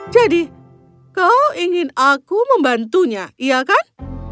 jadi kau ingin aku membantunya iya kan